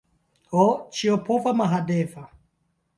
Ho, ĉiopova Mahadeva!